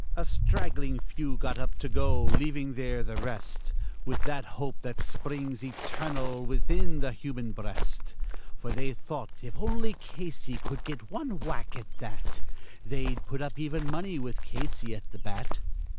A straggling few got up to go, leaving there the rest With that hope that springs eternal within the human breast; For they thought if only Casey could get one whack, at that They'd put up even money, with Casey at the bat.